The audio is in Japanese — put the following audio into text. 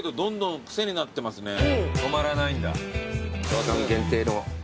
期間限定の。